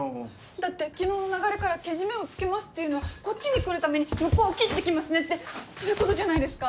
だって昨日の流れからけじめをつけますっていうのはこっちに来るために向こうを切ってきますねってそういうことじゃないですか？